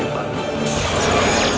dan kembali ke dunia raya